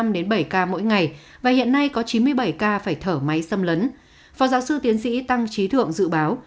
mỗi ngày và hiện nay có chín mươi bảy ca phải thở máy xâm lấn phó giáo sư tiến sĩ tăng trí thượng dự báo